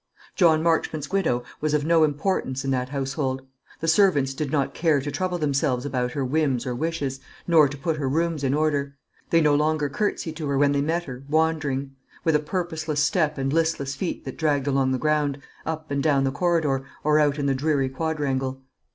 John Marchmont's widow was of no importance in that household. The servants did not care to trouble themselves about her whims or wishes, nor to put her rooms in order. They no longer curtseyed to her when they met her, wandering with a purposeless step and listless feet that dragged along the ground up and down the corridor, or out in the dreary quadrangle.